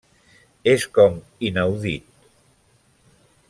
És com, inaudit.